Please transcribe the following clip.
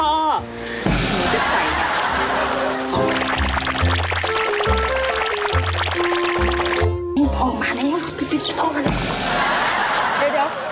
อันนี้จะใส่ออกมานี่เดี๋ยว